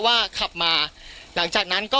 ว่าขับมาหลังจากนั้นก็